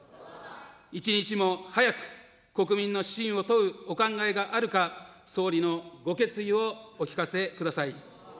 一日も早く、国民の信を問うお考えがあるか、総理のご決意をお聞かせください。